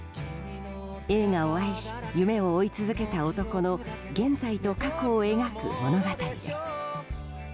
映画を愛し、夢を追い続けた男の現在と過去を描く物語です。